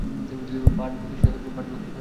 ভাট বকিস না তো।